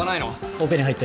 オペに入ってる。